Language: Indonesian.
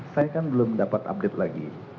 saya kan belum dapat update lagi